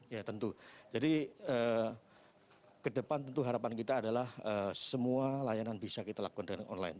ya tentu jadi ke depan tentu harapan kita adalah semua layanan bisa kita lakukan dengan online